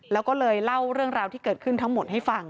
แล้วก็เลยเล่าเรื่องราวที่เกิดขึ้นทั้งหมดให้ฟัง